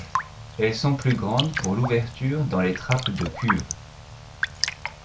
Elles sont plus grandes pour l'ouverture dans les trappes de cuves.